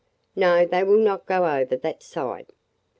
"No, they will not go over that side.